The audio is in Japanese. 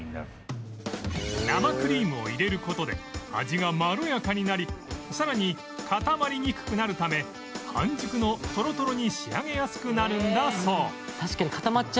生クリームを入れる事で味がまろやかになりさらに固まりにくくなるため半熟のとろとろに仕上げやすくなるんだそう